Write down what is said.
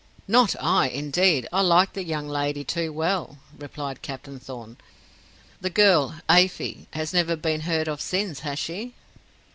"Not I, indeed; I like the young lady too well," replied Captain Thorn. "The girl, Afy, has never been heard of since, has she?"